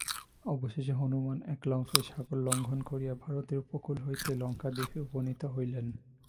অবশেষে হনুমান এক লম্ফে সাগর লঙ্ঘন করিয়া ভারতের উপকূল হইতে লঙ্কাদ্বীপে উপনীত হইলেন।